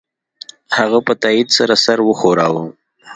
هغه په تایید سره سر وښوراوه